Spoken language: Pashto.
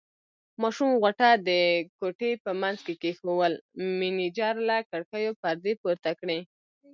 ماشوم غوټه د کوټې په منځ کې کېښوول، مېنېجر له کړکیو پردې پورته کړې.